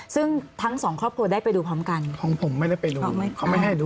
ซึ่งทั้งสองครอบครัวได้ไปดูพร้อมกันของผมไม่ได้ไปดูเขาไม่ให้ดู